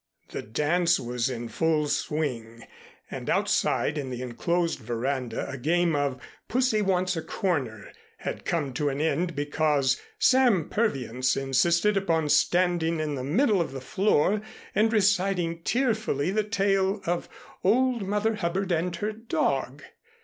The dance was in full swing, and outside in the enclosed veranda a game of "Pussy Wants a Corner" had come to an end because Sam Purviance insisted upon standing in the middle of the floor and reciting tearfully the tale of "Old Mother Hubbard and Her Dog."